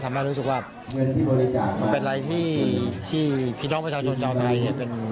ทำให้รู้สึกว่าเป็นอะไรที่พี่น้องประชาชนเจ้าไทย